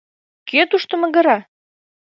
Кӧ тушто магыра?